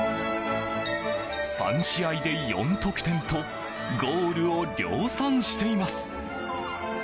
３試合で４得点とゴールを量産しています。